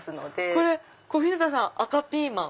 これ小日向さん赤ピーマン。